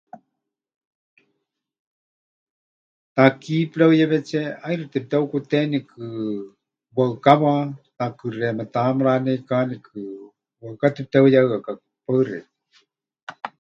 Takí pɨreuyewetsé ʼaixɨ temɨteheukutenikɨ waɨkawa, takɨxeéme, taha mɨraneikanikɨ, waɨká tepɨteheuyehɨakaku. Paɨ xeikɨ́a.